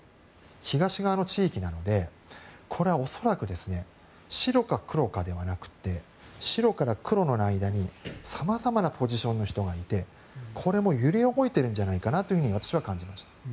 東側の地域なのでこれは恐らく白か黒かではなくて白から黒の間にさまざまなポジションの人がいて揺れ動いてるんじゃないかなと私は感じました。